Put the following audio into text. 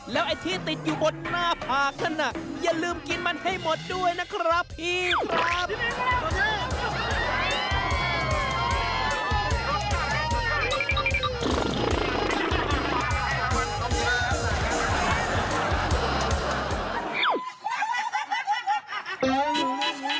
แล้วไอ้ที่ติดอยู่บนหน้าผากนั้นน่ะอย่าลืมกินมันให้หมดด้วยนะครับพี่ครับ